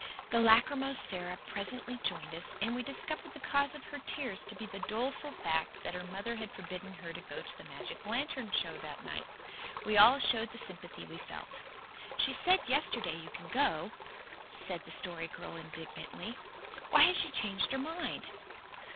The lachrymose Sara presently joined us and we discovered the cause of her tears to be the doleful fact that her mother had forbidden her to go to the magic lantern show that night. We all showed the sympathy we felt. "She SAID yesterday you could go," said the Story Girl indignantly. "Why has she changed her mind?"